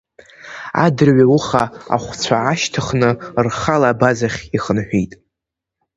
Адырҩауха, ахәцәа аашьҭыхны, рхала абазахь ихынҳәит.